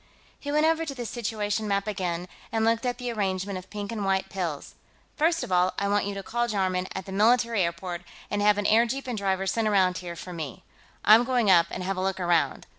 He went over to the situation map again, and looked at the arrangement of pink and white pills. "First of all, I want you to call Jarman, at the military airport, and have an airjeep and driver sent around here for me. I'm going up and have a look around.